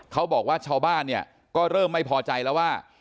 ชาวบ้านเนี่ยก็เริ่มไม่พอใจแล้วว่า